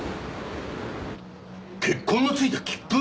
血痕の付いた切符！？